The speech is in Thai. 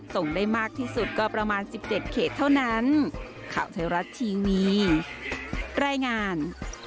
ส่งได้มากที่สุดก็ประมาณ๑๗เขตเท่านั้น